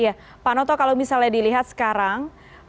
ya pak noto kalau misalnya dilihat sekarang